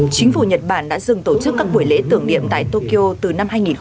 chính phủ nhật bản đã dừng tổ chức các buổi lễ tưởng điệm tại tokyo từ năm hai nghìn hai mươi hai